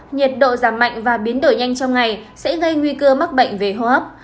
nhiệt độ giảm mạnh và biến đổi nhanh trong ngày sẽ gây nguy cơ mắc bệnh về hô hấp